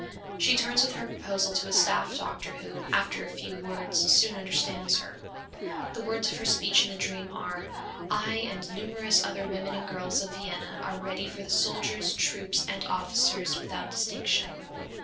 She turns with her proposal to a staff doctor who, after a few words, soon understands her. The words of her speech in the dream are, 'I and numerous other women and girls of Vienna are ready for the soldiers, troops, and officers, without distinction....'